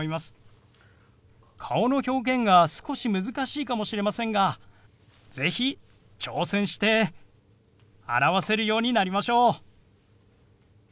顔の表現が少し難しいかもしれませんが是非挑戦して表せるようになりましょう！